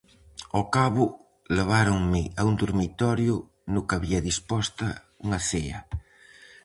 Ao cabo, leváronme a un dormitorio no que había disposta unha cea.